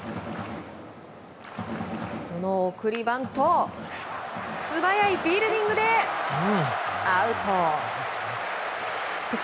この送りバント！素早いフィールディングでアウト。